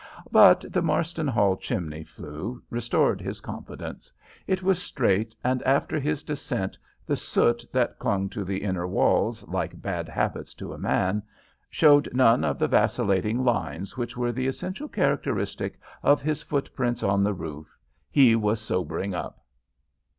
But the Marston Hall chimney flue restored his confidence. It was straight, and after his descent the soot, that clung to the inner walls like bad habits to a man, showed none of the vacillating lines which were the essential characteristic of his footprints on the roof. He was sobering up."